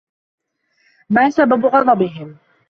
ما سبب غضبهم؟